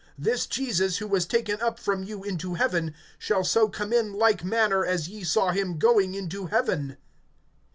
This Jesus, who was taken up from you into heaven, shall so come in like manner as ye saw him going into heaven.